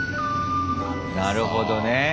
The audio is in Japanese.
なるほどね！